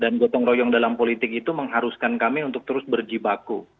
dan itu adalah menurut saya yang menurut saya akan mengharuskan kami untuk terus berjibaku